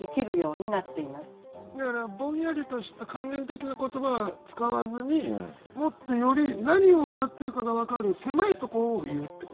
だからぼんやりとした観念的な言葉は使わずにもっとより何をうたってるかが分かる狭いとこを言うってことですかね。